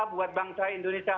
buat bangsa indonesia